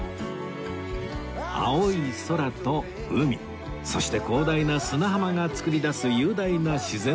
青い空と海そして広大な砂浜が作り出す雄大な自然の美